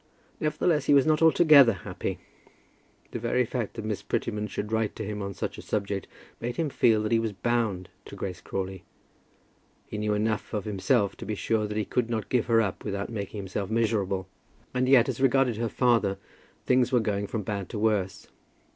Nevertheless, he was not altogether happy. The very fact that Miss Prettyman should write to him on such a subject made him feel that he was bound to Grace Crawley. He knew enough of himself to be sure that he could not give her up without making himself miserable. And yet, as regarded her father, things were going from bad to worse.